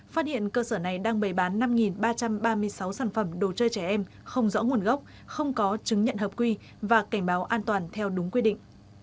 phát hiện cơ sở này đang bày bán năm ba trăm ba mươi sáu sản phẩm đồ chơi trẻ em không rõ nguồn gốc không có chứng nhận hợp quy và cảnh báo an toàn theo đúng quy định